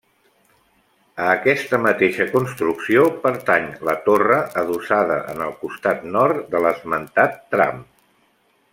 A aquesta mateixa construcció pertany la torre adossada en el costat nord de l'esmentat tram.